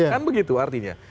kan begitu artinya